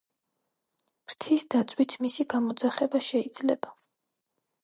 ფრთის დაწვით მისი გამოძახება შეიძლება.